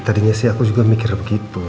tadinya sih aku juga mikir begitu